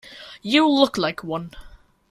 You look like one.